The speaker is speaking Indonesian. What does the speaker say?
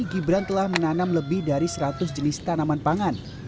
gibran telah menanam lebih dari seratus jenis tanaman pangan